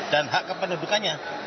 dan hak kependudukannya